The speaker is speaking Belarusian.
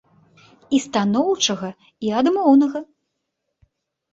І станоўчага, і адмоўнага.